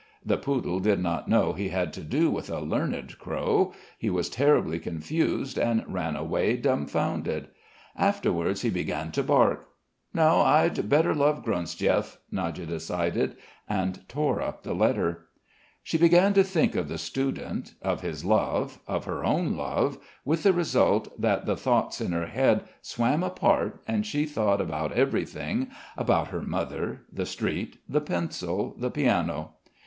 The poodle did not know he had to do with a learned crow. He was terribly confused, and ran away dumfounded. Afterwards he began to bark. "No, I'd better love Gronsdiev," Nadya decided and tore up the letter. She began to think of the student, of his love, of her own love, with the result that the thoughts in her head swam apart and she thought about everything, about her mother, the street, the pencil, the piano.